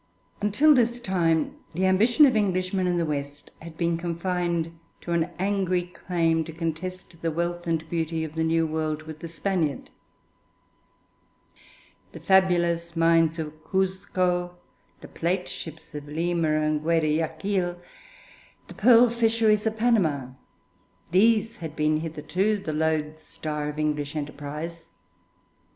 Until his time, the ambition of Englishmen in the west had been confined to an angry claim to contest the wealth and beauty of the New World with the Spaniard. The fabulous mines of Cusco, the plate ships of Lima and Guayaquil, the pearl fisheries of Panama, these had been hitherto the loadstar of English enterprise.